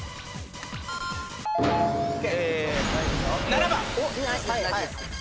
７番。